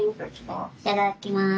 いただきます。